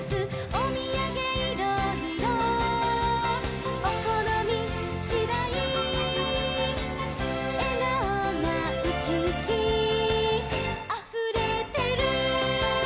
「おみやげいろいろおこのみしだい」「えがおがウキウキあふれてる」